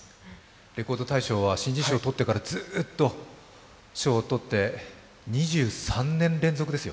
「レコード大賞」は新人賞を取ってからずっと賞を取って、２３年連続ですよ。